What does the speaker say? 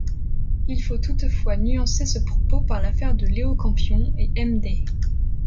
Il faut toutefois nuancer ce propos par l'affaire de Léo Campion et Hem Day.